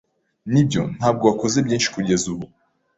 Nibyo, ntabwo wakoze byinshi kugeza ubu.